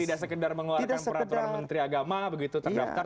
tidak sekedar mengeluarkan peraturan menteri agama begitu terdaftar